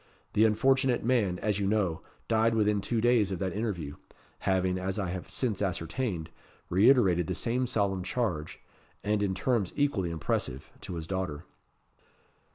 The unfortunate man, as you know, died within two days of that interview, having, as I have since ascertained, reiterated the same solemn charge, and in terms equally impressive, to his daughter."